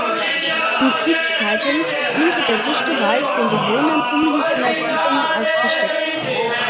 In Kriegszeiten diente der dichte Wald den Bewohnern umliegender Siedlungen als Versteck.